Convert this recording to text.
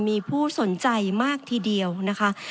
มีผู้สนใจมากทีเดียวนะคะ